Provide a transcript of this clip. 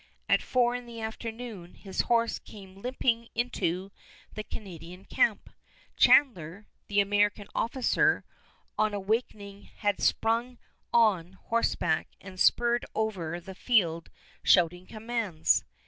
At four in the afternoon his horse came limping into the Canadian camp. Chandler, the American officer, on awakening had sprung on horseback and spurred over the field shouting commands.